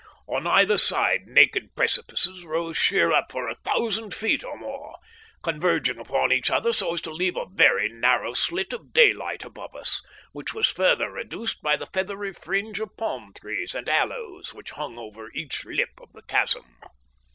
On either side naked precipices rose sheer up for a thousand feet or more, converging upon each other so as to leave a very narrow slit of daylight above us, which was further reduced by the feathery fringe of palm trees and aloes which hung over each lip of the chasm.